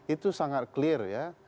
itu sangat clear ya